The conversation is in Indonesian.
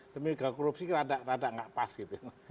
tapi mega korupsi rada rada gak pas gitu